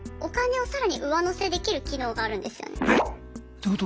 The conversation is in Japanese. ⁉どういうこと？